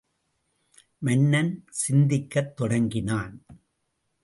மன்னன் சிந்திக்கத் தொடங்கினான்.